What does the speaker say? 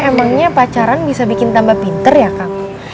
emangnya pacaran bisa bikin tambah pinter ya kang